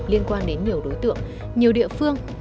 liên quan đến nhiều đối tượng nhiều địa phương